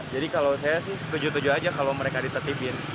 jadi kalau saya sih setuju setuju saja kalau mereka ditetipin